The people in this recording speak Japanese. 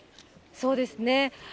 そうですね。